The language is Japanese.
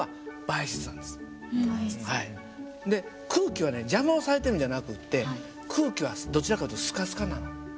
で空気は邪魔をされているんじゃなくて空気はどちらかというとスカスカなの。